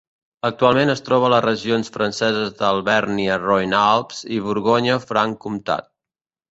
Actualment es troba a les regions franceses d'Alvèrnia-Roine-Alps i Borgonya-Franc Comtat.